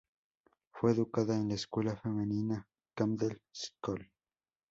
Fue educada en la escuela femenina "Camden School".